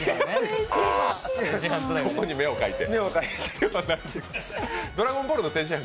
ここに目を描いて。